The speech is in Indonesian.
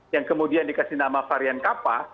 yang kemudian dikasih nama varian kapa